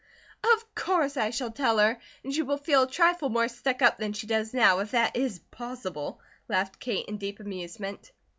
"Of course I shall tell her, and she will feel a trifle more stuck up than she does now, if that is possible," laughed Kate in deep amusement.